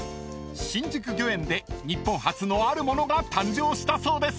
［新宿御苑で日本初のある物が誕生したそうです］